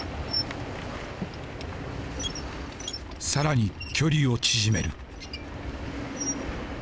さらに距離を縮める。